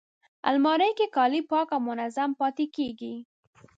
الماري کې کالي پاک او منظم پاتې کېږي